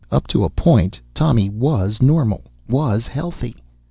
Up to a point Tommy was normal, was healthy.